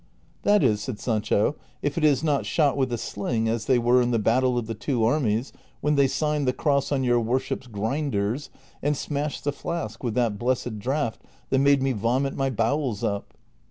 " That is," said Sancho, " if it is not shot with a sling as they were in the battle of the two armies, when they signed the cross on your worship's grinders and smashed the flask with that blessed draught that made me vomit my bowels up."